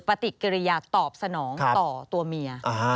ปฏิกิริยาตอบสนองต่อตัวเมีย